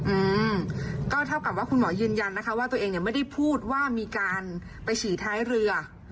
อืมก็เท่ากับว่าคุณหมอยืนยันนะคะว่าตัวเองเนี่ยไม่ได้พูดว่ามีการไปฉี่ท้ายเรือ